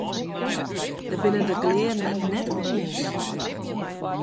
Dêr binne de gelearden it net oer iens.